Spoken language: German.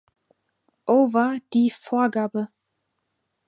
Over die Vorgabe.